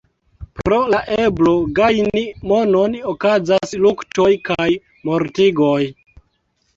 Pro la eblo gajni monon okazas luktoj kaj mortigoj.